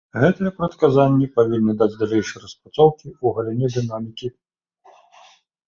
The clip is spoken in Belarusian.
Гэтыя прадказанні павінны даць далейшыя распрацоўкі ў галіне дынамікі.